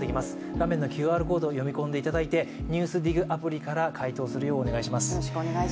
画面のＱＲコードを読み込んでいただいて「ＮＥＷＳＤＩＧ」アプリから回答をお願いします。